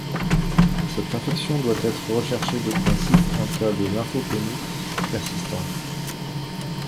Cette infection doit être recherchée de principe en cas de lymphopénie persistante.